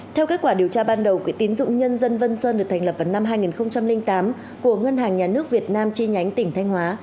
theo kết quả điều tra ban đầu quỹ tín dụng nhân dân vân sơn được thành lập vào năm hai nghìn tám của ngân hàng nhà nước việt nam chi nhánh tỉnh thanh hóa